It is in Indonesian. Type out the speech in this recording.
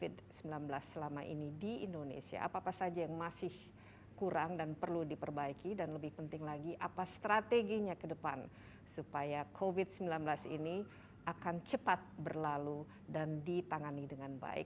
dan lebih penting lagi apa strateginya ke depan supaya covid sembilan belas ini akan cepat berlalu dan ditangani dengan baik